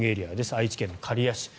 愛知県刈谷市。